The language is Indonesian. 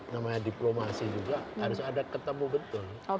namanya diplomasi juga harus ada ketemu betul